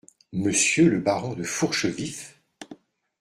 Monsieur le baron de Fourchevif ?